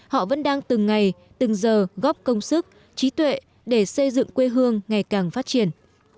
họ vẫn đang từng ngày từng giờ góp công sức trí tuệ để xây dựng quê hương ngày càng phát triển